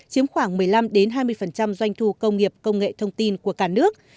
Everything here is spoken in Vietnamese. chiếm khoảng một mươi năm hai mươi doanh thu công nghiệp công nghệ thông tin của cả nước